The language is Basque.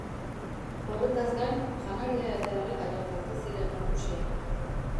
Horretaz gain, janaria eta erregaia falta ziren Errusian.